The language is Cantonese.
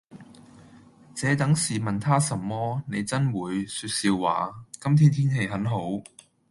「這等事問他甚麼。你眞會……説笑話。……今天天氣很好。」